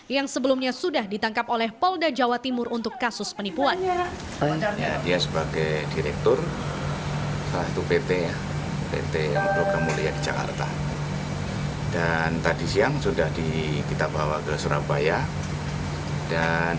yang sebelumnya sudah ditangkap oleh polda jawa timur untuk kasus penipuan